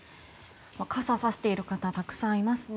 傘をさしている方がたくさんいますね。